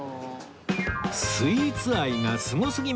スイーツ愛がすごすぎます